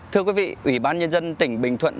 thưa quý vị ủy ban nhân dân tỉnh bình thuận